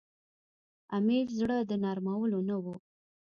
امیر زړه د نرمېدلو نه وو.